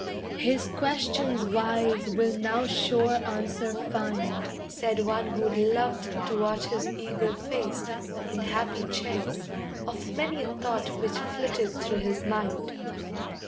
"His questions wise will now sure answer find," Said one who'd loved to watch his eager face, In happy chase Of many a thought which flitted through his mind.